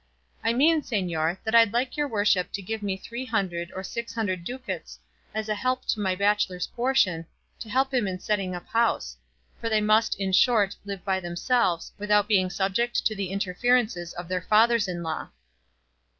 I mean, señor, that I'd like your worship to give me three hundred or six hundred ducats as a help to my bachelor's portion, to help him in setting up house; for they must, in short, live by themselves, without being subject to the interferences of their fathers in law."